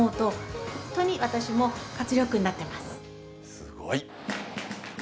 すごい！